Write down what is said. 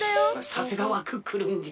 さすがはクックルンじゃ。